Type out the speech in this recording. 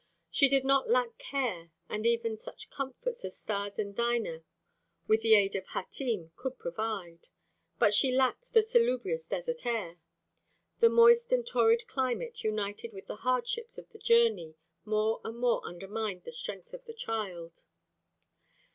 She did not lack care and even such comforts as Stas and Dinah with the aid of Hatim could provide, but she lacked the salubrious desert air. The moist and torrid climate united with the hardships of the journey more and more undermined the strength of the child.